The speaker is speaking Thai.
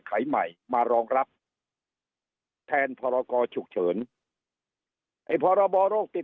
ไขใหม่มารองรับแทนพรกรฉุกเฉินไอ้พรบโรคติด